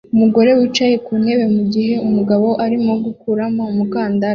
umugore wicaye ku ntebe mugihe umugabo arimo gukuramo umukandara